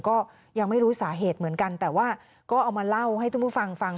ก็ยังไม่รู้สาเหตุเหมือนกันแต่ว่าก็เอามาเล่าให้ทุกผู้ฟังฟัง